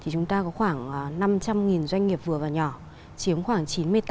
chúng ta có khoảng năm trăm linh doanh nghiệp vừa và nhỏ chiếm khoảng chín mươi tám